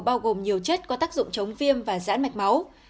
bao gồm nhiều chất có tác dụng chống viêm và giãn mạch máu